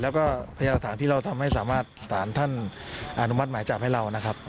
แล้วก็พยายามหลักฐานที่เราทำให้สามารถสารท่านอนุมัติหมายจับให้เรานะครับ